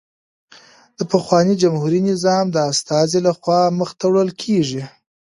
د پخواني جمهوري نظام د استازي له خوا مخته وړل کېږي